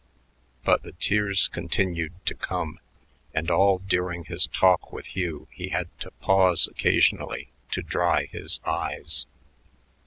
But the tears continued to come, and all during his talk with Hugh he had to pause occasionally to dry his eyes.